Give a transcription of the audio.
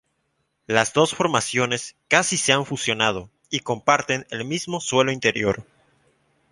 Las dos formaciones casi se han fusionado, y comparten el mismo suelo interior.